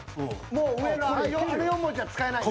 もう上のあの４文字は使えないね。